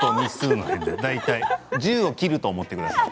１０を切ると、思ってください。